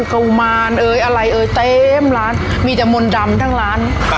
กุมารเอ่ยอะไรเอ่ยเต็มร้านมีแต่มนต์ดำทั้งร้าน